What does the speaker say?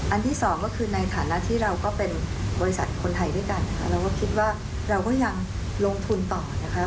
ที่สองก็คือในฐานะที่เราก็เป็นบริษัทคนไทยด้วยกันค่ะเราก็คิดว่าเราก็ยังลงทุนต่อนะคะ